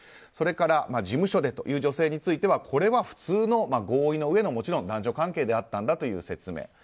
それから、事務所でという女性についてはこれは普通の合意の上の普通の男女関係であったんだという説明。